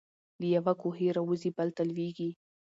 له یوه کوهي را وزي بل ته لوېږي.